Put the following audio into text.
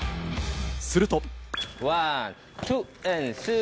すると。